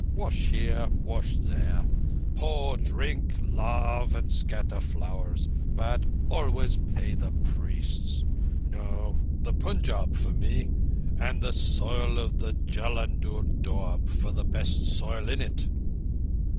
Wash here! Wash there! Pour, drink, lave, and scatter flowers—but always pay the priests. No, the Punjab for me, and the soil of the Jullundur doab for the best soil in it."